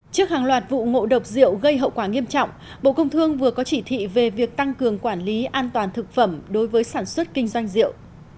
trước hàng loạt vụ ngộ độc rượu gây hậu quả nghiêm trọng bộ công thương vừa có chỉ thị về việc tăng cường quản lý an toàn thực phẩm đối với sản xuất kinh doanh rượu